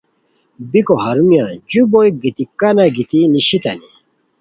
بیکو ہرونیہ جو بوئیک گیتی کانہ گیتی نیشیتانی